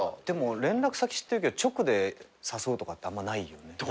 でも連絡先知ってるけど直で誘うとかってあんまないよね。